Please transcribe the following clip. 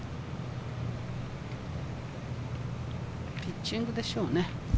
ピッチングでしょうね。